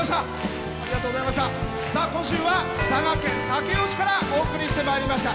今週は佐賀県武雄市からお送りしてまいりました。